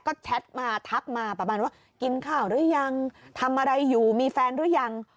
ก็แชทมาทักมาประมาณว่ากินข้าวหรือยังทำอะไรอยู่มีแฟนหรือยัง